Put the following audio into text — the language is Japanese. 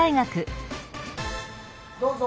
・どうぞ！